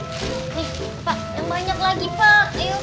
nih pak yang banyak lagi pak